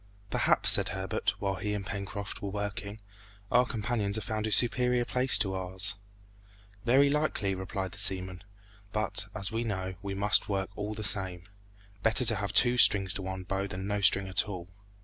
"Perhaps," said Herbert, while he and Pencroft were working, "our companions have found a superior place to ours." "Very likely," replied the seaman; "but, as we don't know, we must work all the same. Better to have two strings to one's bow than no string at all!"